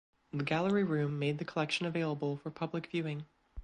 The gallery room made the collection available for public viewing.